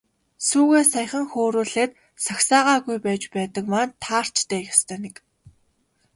Сүүгээ саяхан хөөрүүлээд загсаагаагүй байж байдаг маань таарч дээ, ёстой нэг.